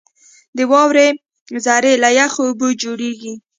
• د واورې ذرې له یخو اوبو جوړېږي.